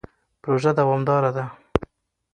پروژه دوامداره ده.